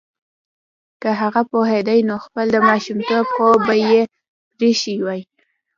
که هغه پوهیدای نو خپل د ماشومتوب خوب به یې پریښی وای